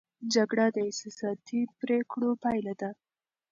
جګړه د احساساتي پرېکړو پایله ده.